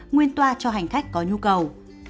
nguyên toa cho hành khách có nhu cầu